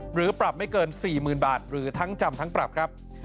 หรือปรับไม่เกิน๔๐๐๐บาทหรือทั้งจำทั้งปรับครับ